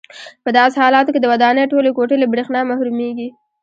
په داسې حالاتو کې د ودانۍ ټولې کوټې له برېښنا محرومېږي.